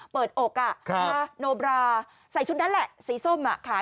อกโนบราใส่ชุดนั้นแหละสีส้มขาย